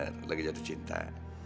iya kamu benar lagi jatuh cinta